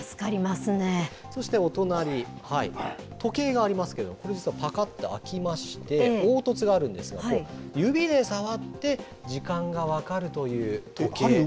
そしてお隣、時計がありますけれども、これ実は、ぱかっと開きまして、凹凸があるんですが、指で触って、時間が分かるという時計。